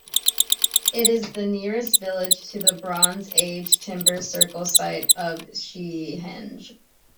It is the nearest village to the Bronze Age timber circle site of Seahenge.